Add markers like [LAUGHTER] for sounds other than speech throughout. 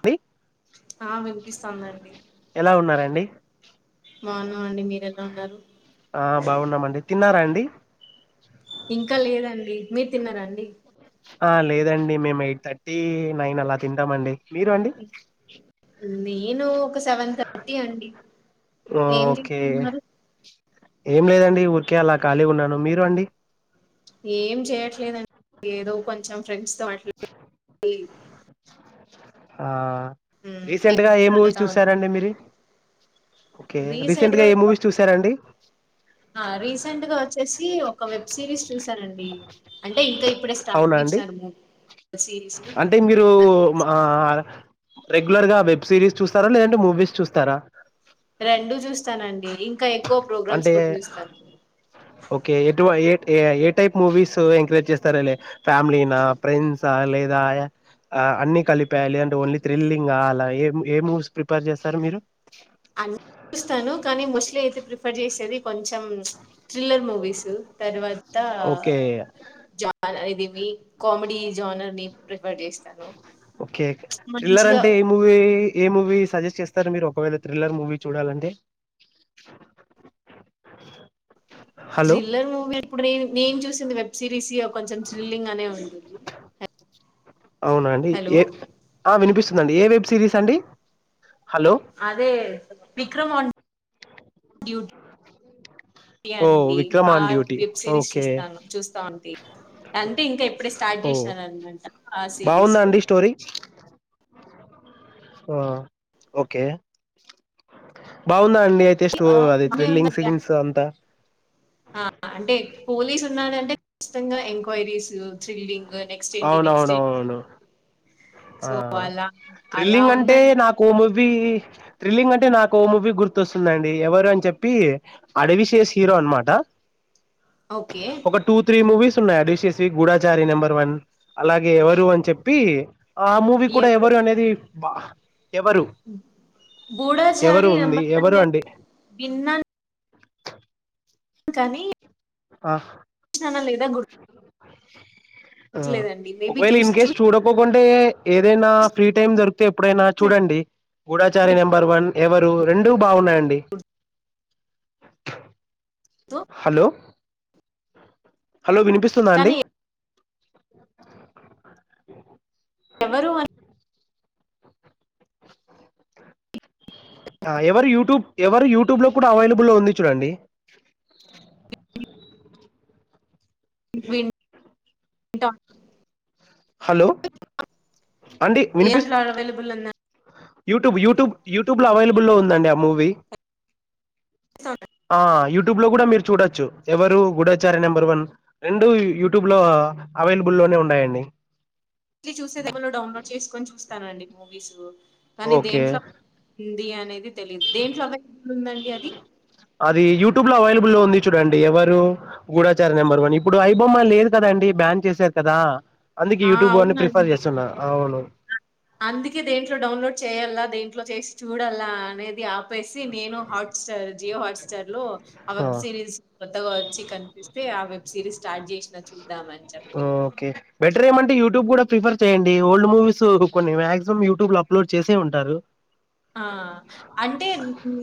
అండి ఆ వినిపిస్తాందండి ఎలా ఉన్నారండి బాగున్నామండి మీరెలా ఉన్నారు ఆ బాగున్నామండీ తిన్నారా అండి ఇంకా లేదండి మీరు తిన్నరా అండి ఆ లేదండి మేము ఎయిట్ థర్టీ నైన్ అలా తింటామండి మీరు అండి నేను ఒక సెవెన్ థర్టీ అండి ఏం ఓకే తింటున్నారు ఏం లేదండి ఊరికే అలా ఖాళీగా ఉన్నాను మీరు అండి ఏం చేయట్లేదండి ఏదో కొంచెం ఫ్రెండ్స్ తో అట్లా మాట్లాడి ఆ రీసెంట్ గా ఏ మూవీ ఆలోచ చూసారండి మీరి రీసెంట్ గా ఆ రీసెంట్ గా వచ్చేసి ఓ ఒక వెబ్ సిరీస్ చూసానండి అంటే ఇంకా ఇప్పుడే స్టాట్ అవునా వి అండి ఛానలండి అంటే మీరు మా రెగ్యులర్గా వెబ్ సిరీస్ చూస్తార లేదంటే మూవీస్ చూస్తార రెండు చూస్తానండి ఇంకా ఎక్కువ ప్రోగ్రామ్స్ అంటే కూడా చూస్తాను ఓకే ఎటువై ఏ ఏ టైప్ మూవీసు ఎంకరేజ్ చేస్తారులే ఫ్యామలీన ఫ్రెండ్సా లేద్ ద అ అన్ని కలిప లేదంటే అంటే ఓన్లీ థ్రిల్లింగ్ అలా ఏం ఏ మూవీస్ ప్రిపేర్ చేస్తారు మీరు అ చూస్తాను కానీ మోస్ట్లీ అయితే ప్రిఫర్ చేసేది కొంచెం ఉచ్ థ్రిల్లర్ మూవీస్ తర్వాత అంత ఓకే జాన్ అది ఇవి కామెడీ జోనర్ని ప్రిఫర్ చేస్తాను ఓకే ఓకే త్రిల్లర్ మంచిగా అంటే ఏ మూవీ ఏ మూవీ సజెస్ చేస్ తరు మీరు ఒకవేళ థ్రిల్లర్ మూవీ చూడాలి అంటే థ్రిల్లర్ మూవీ ఇప్పుడు రేం నేం చూసింది వెబ్ సిరీస్ యబ్ కొంచెం థ్రిల్లింగ్ గానే ఉంటుంది అవునా అండి హలో ఏ ఆ వినిపిస్తుంధండి ఏ వెబ్ సిరీస్ అండి హలో అదే విక్రమ్ ఆన్ డ్యూడ్ యా ఓ అండి విక్రమ్ ఆ on duty web series okay చూస్తాను చూస్తా ఉంటి అంటే ఇంకా ఇప్పుడే స్టార్ట్ ఓ చేసినారనమాట ఆ బాగుందా సిరీసు అండి స్టోరీ ఆ ఓకే బాగుందా అండ్ ఇగ ఐతే స్టో అది బానే త్రిల్లింగ్ ఉందండి సీన్స్ అంతా పోలీసు ఉన్నాడంటే ఖచ్చితంగా ఎంక్వైరీస్ థ్రిల్లింగ్ నెక్స్ట్ ఏంటి నెక్స్ట్ ఏంటి అవునవునవును ఆ సో అలా అలా థ్రిల్లింగ్ అంటే ఉందండి నాకు మూవీ వీ త్రిలింగ్ అంటే నాకు ఓ మూవీ గుర్తొస్తుందండి ఎవరు అని చెప్పి అడవి శేషు హీరో అనమాట ఓకే ఒక టూ త్రీ మూవీస్ ఉన్నాయి అడివి శేషువి గూడాచారి నెంబర్ వన్ అలాగే ఎవరు అని చెప్పి ఆ మూవీ కూడా ఎవరు అనేది అబ్బా ఎవరు ఎవరు గూఢచారి ఉంది నెంబర్ వన్ ఎవరు నేను అండి విన్నాను కానీ అ నా లేదా గుర్ అ ఒకవేళ చూసి ఇన్ కేస్ చూడపోకుం టే ఏదైనా ఫ్రీ టైమ్ దొరికితే ఎప్పుడైనా చూసినట్టు చూడండి గూఢాచారి నెంబర్ వన్ ఎవరు రెండు బాగున్నాయండి అ హలో హలో వినిపిస్తుందా అండి కానీ ఎవరు అని అ ఎవరు యూట్యూబ్ ఎవరు యూట్యూబ్ లో కూడా అవైలబుల్ ఉంది చూడండి విన్ ట హలో అండి వినిపిస్ ఏంలా అవైలబుల్ అన్నా యూట్యూబ్ యూట్యూబ్ యూట్యూబ్ లో అవైలబుల్ లో ఉందండి ఆ మూవీ ఆ యూట్యూబ్ లో కూడా మీరు చూడొచ్చు ఎవరు గూఢచారి నెంబర్ వన్ రెండు యూట్యూబ్ లో అవైలబుల్ లోనే ఉన్నాయండి చూస్తే ఏమన్నా డౌన్లోడ్ చేసుకొని చూస్తానండి మూవీస్ కానీ ఓకే దేంట్లో ఉంది అనేది తెలియదు దేంట్లో అ అది యూట్యూబ్ లో అవైల బుల్ లో ఉంది చూడండి ఎవరు గూఢచార నెంబర్ వన్ ఇప్పుడు ఐబొమ్మ లేదు కదా అండి బ్యాన్ చేశారు కదా అందుకె ఆ, యూట్యూబ్ అని ప్రిఫర్ అవునండి చేస్తున్నా అవును అందుకే దేంట్లో డౌన్లోడ్ చేయాల దేంట్లో చేసి చూడాలా అనేది ఆప్ పేసి నేను హాట్స్టార్ జియో హాట్స్టార్ లో ఆ వెబ్ సిరీస్ కొత్తగా వచ్చి కనిపిస్తే సిరీస్ స్టార్ట్ చేసినా చూ ఓ ఓకే బెటరేమంట యూట్యూబ్ కూడా ప్రిఫర్ చేయండి ఓల్డ్ మూవీస్ కొన్ని మాక్సిమం యూట్యూబ్ లో అప్లోడ్ చేసే ఉంటారు ఆ అంటే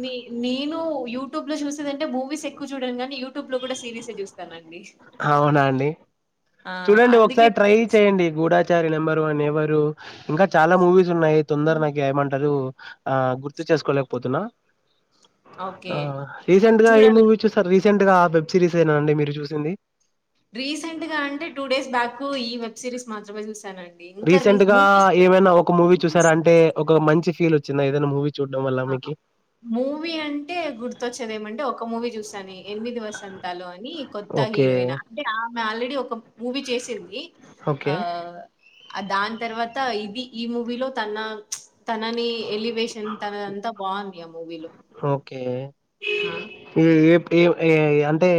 నీ నేను యూటూబ్ లో చూసేంటే మూవీస్ ఎక్కువ చూడం కానీ యూట్యూబ్ లొ కూడా సీరీసే చూస్తానండి నేను అవునా అండి ఆ చూడండి అందుకే ఒకసారి ట్రై చేయండి గూఢచా గూఢచారి నెంబర్ వన్ ఎవరు ఇంకా చాలా మూవీస్ ఉన్నాయి తొందర నాక్ ఏమంటారు ఆ గుర్తు చేసుకోలేకపోతున్నా ఓకే అ రీసెంట్ గా ఏ చూడాలి మూవీ చూసారు రీసెంట్ గా ఆ వెబ్ సిరీస్ ఏనా అండి మీరు చూసింది రీసెంట్ గా అంటే టూ డేస్ బ్యాక్ ఈ వెబ్ సిరీస్ మాత్రమే చూస్త రీసెంట్ గా ఏవైనా ఒక మూవీ చూసారా అంటే ఒక మంచి ఫీల్ వచ్చిందా ఏదైనా మూవీ చూడడం వల్ల మీకి మూవీ అంటే గుర్తొచ్చేది ఏమంటే ఒక మూవీ చూసాను ఎనిమిది వసంతాలు అని కొత్త హీరో ఓకే హీరోయినా అంటే ఆమె ఆల్రెడీ ఒక మూవీ చేసింది ఓకే ఆ దాని తర్వాత ఇది ఈ మూవీలో తన తనని ఎలివేషన్ యా మూవీలు ఓకే ఇగ ఈ ఏ ఏ అంటే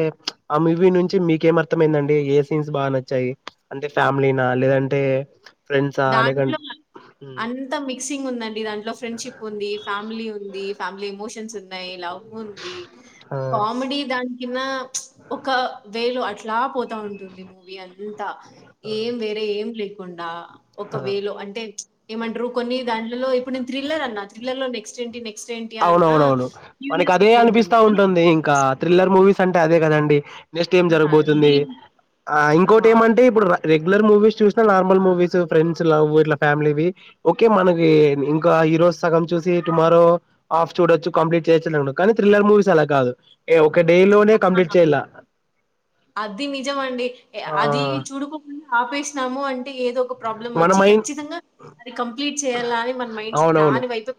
ఆ మూవీ నుంచి మీకు ఏం అర్థమైందండి ఏ సీన్స్ బాగా నచ్చాయి అంటే ఫ్యామిలీనా లేదంటే ఫ్రెండ్సా లేకం దాంట్లో అంత మిక్సింగ్ ఉందండి దాంట్లో ఫ్రెండ్షిప్ ఉంది, ఫ్యామిలీ ఉంది. ఫ్యామిలీ ఎమోషన్స్ ఉన్నాయి లవ్ ఉంది ఆ కామెడీ దానికి కిన్న ఒక వేలొ అట్లా లా పోతా ఉంటుంది మూవీ అంతా ఆ ఏం వేరే ఏం లేకుండా ఒక ఆ! వేలొ అంటే ఏమంటారు కొన్ని దాంట్లో ఇప్పుడు నేను థ్రిల్లర్ అన్నా త్రిల్లర్ లో నెక్స్ట్ ఏంటి నెక్స్ట్ ఏంటి? అన్న అవునవునవును మనకి అదే క్యూరియాసిటీ అనిపిస్తా కానీ ఉంటుంది ఇంకా, థ్రిల్లర్ మూవీస్ అంటే అదే కదండి. నెక్స్ట్ ఏం ఆ! జరగబోతుంది దీన్ ఆ ఇంకోటి ఏమంటే ఇప్పుడు రా రెగ్యులర్ మూవీస్ చూసినా నార్మల్ మూవీస్ ఫ్రెండ్స్, లవ్వు ఇట్లా ఫ్యామిలీవి ఓకే మనకి ఇంకా ఈ రోజు సగం చూసి టుమారో ఆఫ్ చూడచ్చు కంప్లీట్ చేయచ్చు అని ఉండదు కానీథ్రిల్లర్ మూవీస్ అల కాదు ఏ ఓ ఆ అది నిజం అండి ఏ ఆ అది చూడుకో ఆపేసినాము అంటే ఏదో ఒక ప్రాబ్లం మన వచ్చి మైండ్ ఖచ్చితంగా అది కంప్లీట్ చేయాలా అని మన మైండ్ సెట్ అవునవును దాని వైపు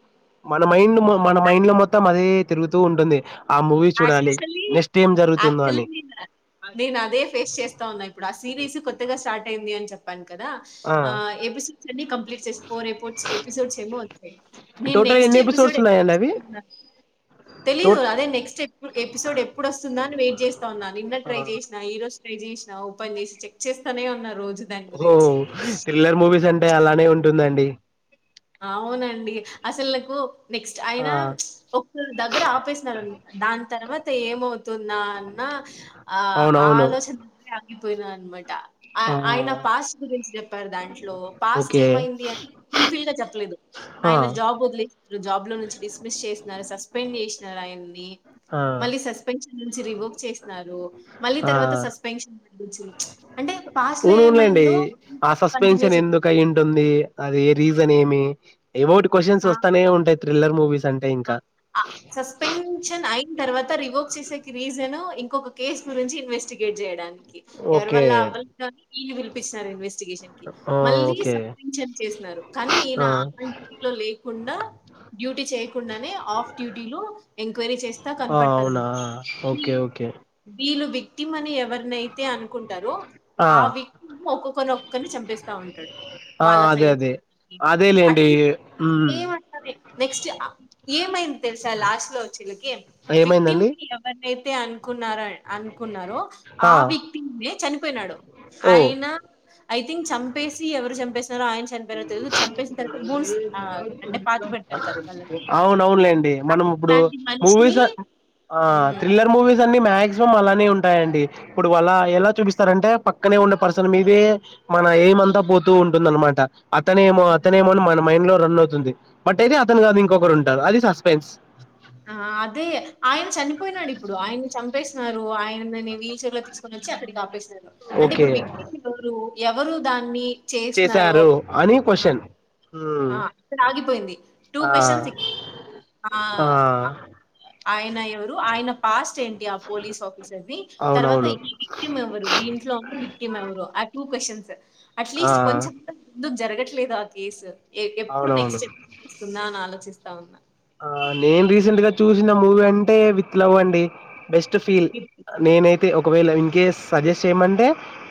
మన మైండ్ మన మైండ్ లో మొత్తం అదే తిరుగుతూ ఉంటుంది ఆ మూవీ చూడాలి యాక్చులి నెక్స్ట్ ఏం జరుగుతుందో అని ఆక్చుల్లీ నేను అదే ఫేస్ చేస్తా ఉన్నా ఇప్పుడు ఆ సిరీస్ కొత్తగా స్టార్ట్ అయింది అని చెప్ కదా ఆ ఎపిసోడ్స్ అన్ని కంప్లీట్ చేస ఫోర్ ఎపిసోడ్స్ ఏమో వచ్చాయి టోటల్ ఎన్ని ఎపిసోడ్స్ ఉన్నాయాండవి తెలిదు అదే నెక్స్ ఎపిసోడ్ ఎప్పుడు వస్తుందా అని వెయిట్ చేస్తా ఉన్నా నిన్న ట్రై చేసిన ఈ రోజు [INAUDIBLE] చేసినా ఓపెన్ చేసి చెక్ చేస్తానే ఉన్నా రోజు దాని ఓ గురించి. థ్రిల్లర్ మూవీస్ అంటే అలానే ఉంటుందండి అవునం డి అసలు నాకు నెక్స్ట్ ఆ అయిన ఒక దగ్గర ఆపేసిన అను దాని తర్వాత ఏం ఏమవుతుంద అన్నా ఆ అవునవును ఆలోచన [INAUDIBLE] ఆగిపోయినా అనమాట ఆ ఆయన పాస్ట్ గురించి చెప్పారు దాంట్లో, పాస్ట్ ఓకే ఏమైంది అని ఫుల్ ఫిల్ గా చెప్ లేదు ఆ ఆయన జాబ్ వదిలేసారు జాబ్ లో నుంచి డిస్మిస్ చేసినారు, సస్పెండ్ చేసినారు ఆయన్ని, ఆ మళ్ళీ సస్పెన్షన్ నుంచి రివోక్ చేసినారు మళ్ళీ తర్వాత సస్పెన్షన [INAUDIBLE] ఊన్లేండి ఆ ఇంకా కంటిన్యూ సస్పెన్షన్ చేయలేదు. ఎందుకు అయి ఉంటుంది అది రీజన్ ఏమి ఎవోటి క్వశ్చన్స్ వస్తానే ఉంటాయి త్రిల్లర్ మూవీస్ అంటే ఆ ఇంకా ఆ సస్పెన్షన్ ఐ తర్వాత రివోక్ చేసేకి రీజన్ ఇంకొక కేసు గురించి ఇన్వెస్టిగేట్ చేయడానికి ఎవరీ ఓకే వల్ల అవ్వలేదు అని ఈ పిలిపించిన ఇన్వెస్టిగేషన్కి ఆ, మళ్ళీ ఓకే సపెన్షన్ చేసినారు కానీ ఆ ఈనా [INAUDIBLE] లో లేకుండా డ్యూటీ చేయకు డానే ఆఫ్ డ్యూటీలో ఎంక్వైరీ చేస్తా ఆ అవునా కనపడతారన్నమట ఓకే ఓకే వీళ్ళు విట్టిమ్ అని ఎవరినైతే అనుకుంటారో ఆ వి ఒక్కొక్కరిని ఒక్కొక్కరిని చంపేస్తా ఉంటాడు ఆ వాళ్ళ అదే అదే అదే లెండి ఏమంటా నెక్స్ట్ ఆ ఏమైం తెలుసా లాస్ట్ లో చిలకి ఏమైందండి విక్టిమ్స్ ఎవరైతే అనుకున్నారామ్ అనుకున్నారో ఆ విక్టిమ్ చనిపోయినాడు, ఓ ఆయన ఐ థింక్ చంపేసి ఎవరు చంపేసి ఆయన చనిపోయారో తెలీదు, చంపేసిన తర్వాత పూడ్చ్ అంటే పాతి పెడతారు కదా వాళ్ళని అవును లెండి మనం ఇప్పుడు అట్లాంటి మనిషిని మూవీస్ ఆ ఉమ్ థ్రిల్లర్ మూవీస్ వీస్ అన్ని మాక్సిమం అలానే ఉంటాయండి ఇప్పుడు అలా ఎలా చూపిస్తారంటే పక్కనే ఉన్న పర్సన్ మీదే మన ఏం అంతా పోతూ ఉంటుందన్నమాట అతనేమో అతనేమో అని మన మైండ్ లో రన్ అవుతుంది బట్ అయితే అతను కాదు ఇంకొకరు ఉంటారు అది సస్పెన్స్ అ ఆ అదే ఆయన చనిపోయినాడు ఇప్పుడు ఆయన్ని చంపేసినారు ఆయన వీల్ చైర్ లో తీసు వచ్చి అక్కడికి ఆపేసినారు అంటే ఓకే ఇప్పుడు విక్టిమ్ [INAUDIBLE] ఎవరు దాన్ని చేసినారో చేశారు అని ఆ! క్వశ్చన్? ఉమ్ ఆ అక్కడ ఆగిపోయింది టూ ఆ క్వశచన్ సి ఆ ఆయన ఎవరు ఆయన పాస్ట్ ఏంటి ఆ పోలీస్ ఆఫీసర్ ది తర్వాత అవునవును ఈ విక్టిమ్ ఎవరు దీంట్లో ఉన్న విక్టిమ్ ఎవరు ఆ [INAUDIBLE] క్వశ్చన్స్ ఆ అట్లీస్ట్ కొంచెం ముందుకు జరగట్లేదు ఆ కేసు ఏ ఎప్పుడు నెక్స్ట్ అవునవును స్టెప్ ఇస్తుందా అని ఆలోచిస్తా ఉన్నా నేను రీసెంట్ గా చూసిన మూవీ అంటే విత్ లవ్ అండి బెస్ట్ ఫీల్ నేనై తే ఒకవేళ ఇన్ కేస్ సజెస్ట్ చేయమంటే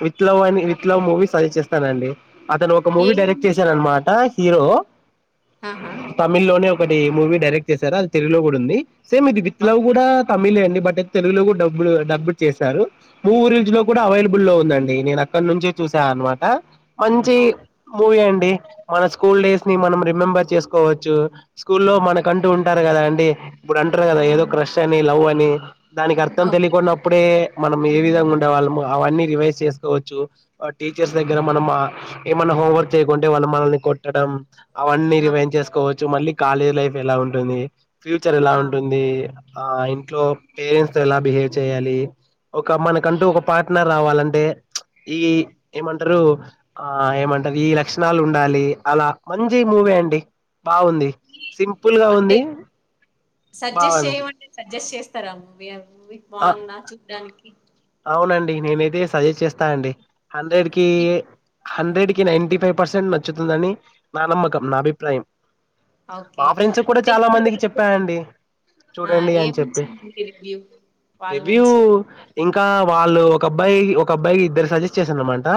విత్ లవ్ అని ఆ! విత్ లవ్ మూవీ సజెస్ట్ చేస్తానండి అతను ఒక మూవీ డైరెక్ట్ ఏమైంది? చేశాననమాట హీరో ఆహా తమిళ్ లోనే ఓకే. ఒకటి మూవీ డైరెక్ట్ చేశారు అది తెలుగులో కూడా ఉంది సేమ్ ఇది విత్ లో ఓకే. కూడా తమిలే అండి బట్ తెలుగులో కూడా డబ్బుడ్ డబ్బుడ్డ్ చేశారు మూవియరుల్జ్ లో కూడా అవైలబుల్లో ఉందండి నేను అక్కడ నుంచే చూసాను అనమాట మంచి ఓ మూవీ అన్ డి మన స్కూల్ డేస్ నీ మనం రిమెంబెర్ చేస్కోవచ్చు స్కూల్ లో మన్ కంటూ ఉంటారు కదా అండి ఇప్పుడు అంటారు కదా ఏదో క్రష్ అని లవ్ అని దానికి అర్థం ఓకే. తెలియకున్నప్పుడే మనం ఏ విధంగా ఉండేవాళ్ళము అవన్నీ రివైజ్ చేసుకోవచ్చు టీచర్స్ దగ్గర ఓకే. మనం ఏమన్నా హోంవర్క్ చేయకుంటే వాల్ మనల్ని కొట్టడం అవన్నీ ఆ! రివైంన్ చేసుకోవచ్చు మళ్ళీ కాలేజ్ లైఫ్ ఎలా ఉంటుంది ఫ్యూచర్ ఎలా ఆ! ఉంటుంది ఆ ఇంట్లో పేరెంట్స్ తో ఎలా బిహేవ్ చేయాలి ఒక మనకంటూ ఒక పార్ట్నర్ రావాలంటే ఈ ఏమంటారు ఆ ఏమం టార్ ఈ లక్షణాలు ఉండాలి అలా మంచి మూవి అండి బాగుంది సింపుల్ గా అంటే ఉంది బాగా సజెస్ట్ అన్ చేయమంటే సజెస్ట్ చేస్తారా మూవీ ఆ మూవీ బాగుందా చూడడానికి అవునండి నేనైతే సజెస్ట్ చేస్తానండి హండ్రెడ్ కి హండ్రెడ్ కి నైంటి ఫైవ్ పర్సెంట్ నచ్చుతుందని నా నమ్మకం నా అభిప్రాయం మా ఓకే. ఫ్రెండ్స్ కూడా అంటే చాలా ఇప్పుడు మందికి వరకు చెప్పానండి ఆ! చూడండి అని చెప్పి ఏమొచ్చిందండి రివ్యూ వాళ్ళ రివ్యూ నుంచి? ఇంకా వాళ్ళు ఒక అబ్బాయి ఒక అబ్బాయికి ఇద్దరు సజెస్ట్ చేసారనమాటా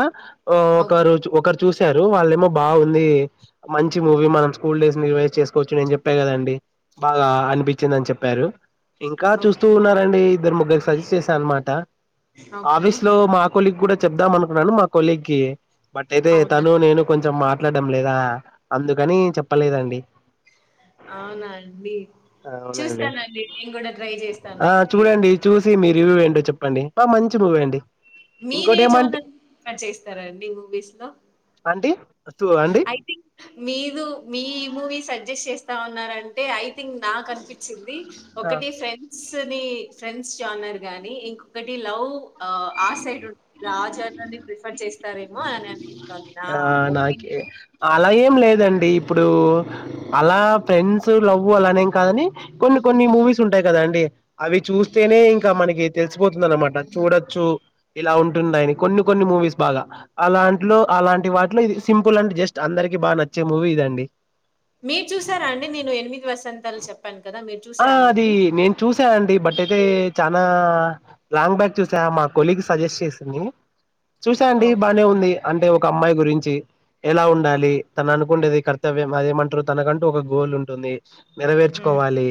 ఓకే. ఒకరోజు ఒకరు చూసారు వాళ్ళేమో బాగుంది మంచి మూవీ మనం స్కూల్ డేస్ ని రివైజ్ చేసుకోవచ్చు నేన్ చెప్పా కదండి బాగా అనిపించిందని చెప్పారు ఇంకా చూస్తూ ఓకే. ఉన్నారండి ఇద్దరు ముగ్గురికి సజెస్ట్ చేశా అనమాట ఓకే. ఆఫీస్ లో మా కొలీగ్ కూడా చెప్దాం అనుకున్నాను మా కొలీగ్కి బట్ అయితే అవునా? తను నేను కొంచెం మాట్లాడడం లేదా ఆ అందుకని చెప్పలేదండి అవునా అండి అవునండి చూస్తానండి నేను కూడా ట్రై చేస్తాను అయితే సి మీ రివ్యూ ఏంటో చెప్పండి బా మంచి మూవీ అండి మీరే ఇంకోటి ఏమంటే జోనర్ ఎక్కువగా చూస్తారండి మూవీస్ లో ఆంటీ ఐ థింక్ మీరు మీ మూవీ సజెస్ట్ చేస్ ఉన్నారంటే ఐ థింక్ నాకు అనిపించింది ఆ ఒకటి ఫ్రెండ్స్ ని ఫ్రెండ్స్ జానోర్ గాని ఇంకొకటి లవ్ ఆ సైడ్ ఉంట ఆ జానోర్ ని ప్రిఫర్ చేస్ స్తారేమో ఆ అనిపిస్తుంది నా ఓప్ కె అలా ఏం లేదండి ఇప్పుడు అలా ఫ్రెండ్స్ లవ్ అలానేం కాదని కొన్ని కొన్ని మూవీస్ ఉంటాయి కదా అండి అవి చూస్తేనే ఇంకా మనకి తెలిసిపోతుంది అనమాట చూడొచ్చు ఇలా ఉంటుందని కొన్ని కొన్ని మూవీస్ బాగా అలాంట్లో అలాంటి వాటిలో ఇది సింపుల్ అంటే జస్ట్ అందరికి బాగా నచ్చే మూవీ ఇదండి మీర్ చూసారా అండి నేను ఎనిమిది వసంతాలు చెప్పాన్ ఆ అది నేను చూసా అండి బట్ అయితే చానా లాంగ్ బ్యాక్ చూసా మా కొలీగ్ సజెస్ట్ చేసింది చూసా అండి ఓకే. బాగానే ఉంది అంటే ఒ ఒక అమ్మాయి గురించి ఎలా ఉండాలి తన అనుకుంటేది కర్తవ్యం అదేమంటారు తనకంటూ ఒక గోల్ ఉంటుంది నెరవేర్చుకోవాలి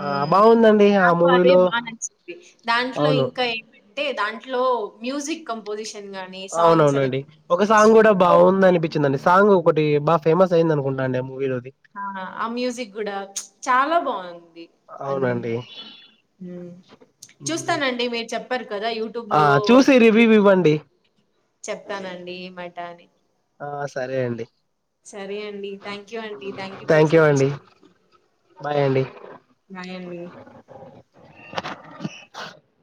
ఆ ఉమ్ బాగుందండి ఆ నాకు అదే మూవీలో బాగా నచ్చింది దాంట్లో అవును ఇంకా ఏమంటే దాంట్లో ట్లో మ్యూజిక్ కంపోజిషన్ గాని, సాంగ్ అవునవునండి ఒక సెలెక్షన్ సాంగ్ కూడా సూపరుంది. బాగుందనిపించిందండి సాంగ్ ఒకటీ బా ఫేమస్ అయింది అనుకుంటండి మూవీలోది ఆ ఆ మ్యూజిక్ గూడా చాలా బావుంది అవునండి అన్ని మ్మ్ మ్మ్. చూస్తానండి మీరు చెప్ కదా యూట్యూబ్ ఆ లో చూసి రివ్యూ [UNINTELLIGIBLE] ఇవ్వండి చెప్తానండి ఏ మాట అని ఆ సరే అండి సరే అండి థ్యాంక్ యూ అండి థ్యాంక్ ఫర్ యూ సజెస అండి బాయ్ అండి బాయండి